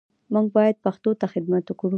موږ باید پښتو ته خدمت وکړو